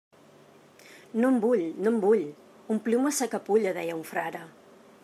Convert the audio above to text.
No en vull, no en vull... ompliu-me'n sa capulla... deia un frare.